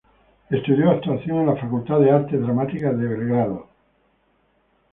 Estudió actuación en la Facultad de Artes Dramáticas en Belgrado.